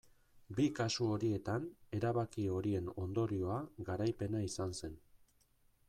Bi kasu horietan erabaki horien ondorioa garaipena izan zen.